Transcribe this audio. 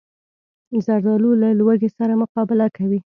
زردالو له لوږې سره مقابله کوي.